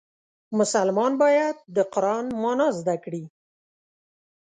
مسلمان باید د قرآن معنا زده کړي.